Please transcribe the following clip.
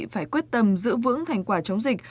phải quyết tâm giữ vững thành quả chống dịch